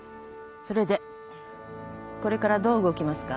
それでこれからどう動きますか？